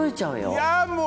いやもう！